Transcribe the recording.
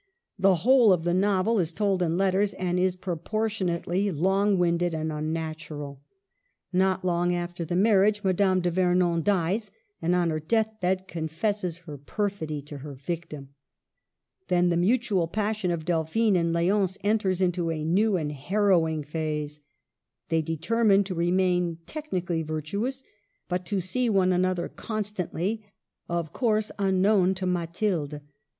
The whole of the novel is told in letters, and is proportionately long winded and unnatural. Not long after the marriage Madaitte de Vernon dies, and on her death bed confesses her perfidy to her victim. Then the mutual passion of Del phine and L6once enters upon a new and har rowing phase. They determine to remain technically virtuous, but to see one another con stantly — of course unknown to Mathilde.